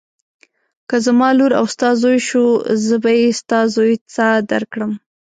که زما لور او ستا زوی شو زه به یې ستا زوی ته درکړم.